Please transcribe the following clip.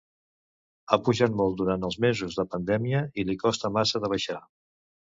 Ha pujat molt durant els mesos de pandèmia i li costa massa de baixar.